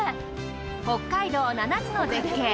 北海道７つの絶景。